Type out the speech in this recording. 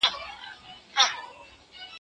ونه د بزګر له خوا اوبه کيږي!؟